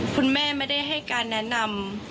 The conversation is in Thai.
คุณแม่ไม่ได้ให้การแนะนำ